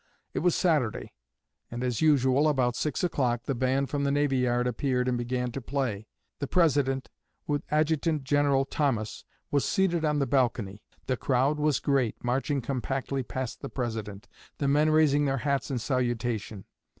It was Saturday; and, as usual, about six o'clock the band from the navy yard appeared and began to play. The President, with Adjutant General Thomas, was seated on the balcony. The crowd was great, marching compactly past the President, the men raising their hats in salutation.